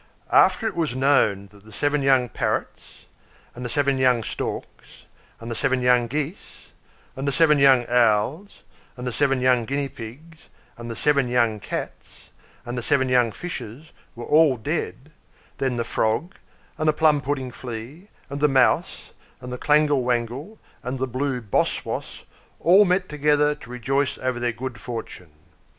After it was known that the seven young Parrots, and the seven young Storks, and the seven young Geese, and the seven young Owls, and the seven young Guinea Pigs, and the seven young Cats, and the seven young Fishes, were all dead, then the Frog, and the Plum pudding Flea, and the Mouse, and the Clangle Wangle, and the Blue Boss Woss, all met together to rejoice over their good fortune.